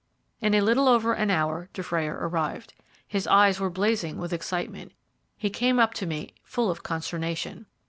In a little over an hour Dufrayer arrived. His eyes were blazing with excitement. He came up to me full of consternation.